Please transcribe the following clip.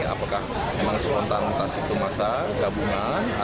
apakah memang spontan entah itu masa gabungan